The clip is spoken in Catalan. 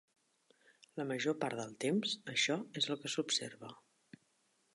La major part del temps, això és el que s'observa.